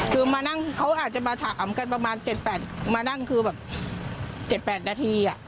คือมานั่งเขาอาจจะมาถามกันประมาณ๗๘มานั่งคือแบบ๗๘นาที